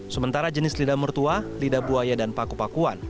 sementara jenis lidah mertua lidah buaya dan paku pakuan